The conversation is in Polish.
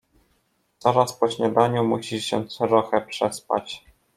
— Zaraz po śniadaniu musisz się trochę przespać.